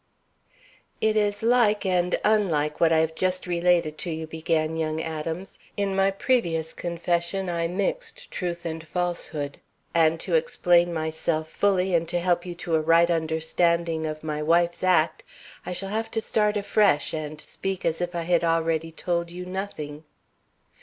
"It is like and unlike what I have just related to you," began young Adams. "In my previous confession I mixed truth and falsehood, and to explain myself fully and to help you to a right understanding of my wife's act, I shall have to start afresh and speak as if I had already told you nothing."